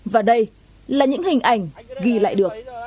và đây là những hình ảnh ghi lại được